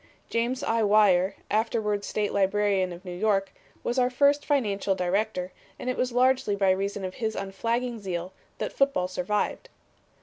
James I. Wyer, afterward State Librarian of New York, was our first financial director, and it was largely by reason of his unflagging zeal that football survived.